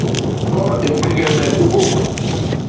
Mbot i mpégél me i bôbôk.